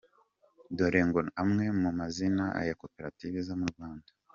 Dore ngo amwe mu mazina ya Koperative zo mu Rwanda.